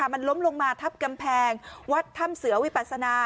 มันล้มลงมาทับกำแพงวัดถ้ำเสือวิปัสนา